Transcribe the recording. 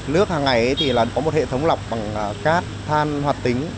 nước hàng ngày thì là có một hệ thống lọc bằng cát than hoạt tính